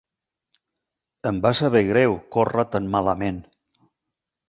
Em va saber greu córrer tan malament.